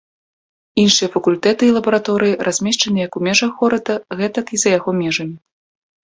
Іншыя факультэты і лабараторыі размешчаны як у межах горада, гэтак і за яго межамі.